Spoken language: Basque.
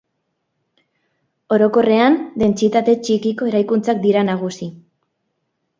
Orokorrean dentsitate txikiko eraikuntzak dira nagusi.